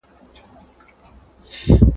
له ما پـرته وبـــل چــاتــه